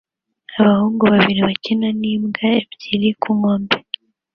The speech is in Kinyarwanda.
Abahungu babiri bakina n'imbwa ebyiri ku nkombe